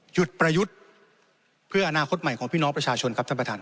ประยุทธ์เพื่ออนาคตใหม่ของพี่น้องประชาชนครับท่านประธาน